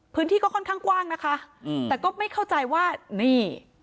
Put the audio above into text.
พื้นที่ก็ค่อนข้างกว้างนะคะแต่ก็ไม่เข้าใจว่านี่